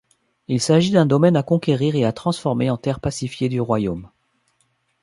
Il s'agit d'un domaine à conquérir et à transformer en terre pacifiée du royaume.